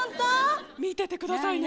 見ててくださいね。